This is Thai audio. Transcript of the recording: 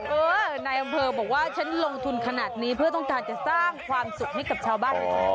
เออนายอำเภอบอกว่าฉันลงทุนขนาดนี้เพื่อต้องการจะสร้างความสุขให้กับชาวบ้าน